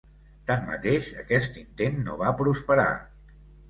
Tanmateix aquest intent no va prosperar.